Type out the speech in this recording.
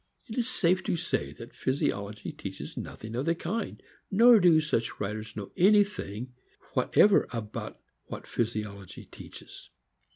It is safe to say physi ology teaches nothing of the kind; nor do such writers know anything whatever about what physiology teaches.